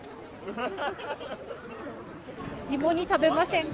芋煮食べませんか？